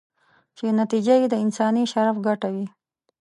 چې نتیجه یې د انساني شرف ګټه وي.